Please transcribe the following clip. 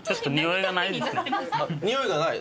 においがない？